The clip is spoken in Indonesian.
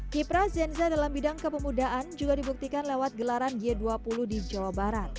kipra zenza dalam bidang kepemudaan juga dibuktikan lewat gelaran g dua puluh di jawa barat